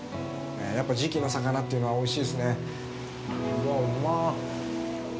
やっぱり時期の魚というのはおいしいですね。